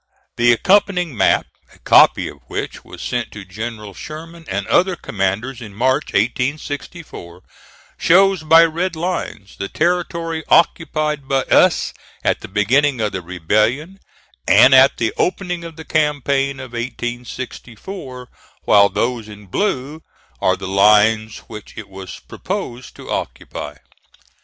The accompanying map, a copy of which was sent to General Sherman and other commanders in March, 1864, shows by red lines the territory occupied by us at the beginning of the rebellion, and at the opening of the campaign of 1864, while those in blue are the lines which it was proposed to occupy.